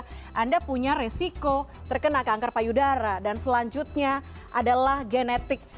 tidak mau terkena kanker payudara dan selanjutnya adalah genetik